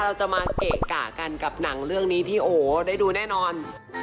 เราจะมาเกะกะกันกับหนังเรื่องนี้ที่โอ้ได้ดูแน่นอน